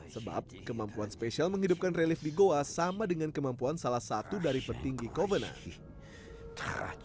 sebab kemampuan spesial menghidupkan relief di goa sama dengan kemampuan salah satu dari petinggi coven nanti